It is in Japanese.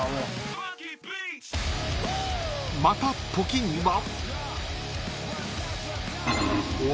［また時には］